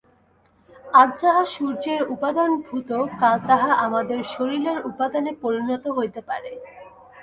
আজ যাহা সূর্যের উপাদানভূত, কাল তাহা আমাদের শরীরের উপাদানে পরিণত হইতে পারে।